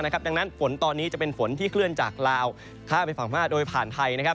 ดังนั้นฝนตอนนี้จะเป็นฝนที่เคลื่อนจากลาวข้ามไปฝั่งพม่าโดยผ่านไทยนะครับ